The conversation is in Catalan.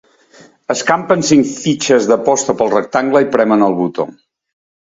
Escampen cinc fitxes d'aposta pel rectangle i premen el botó.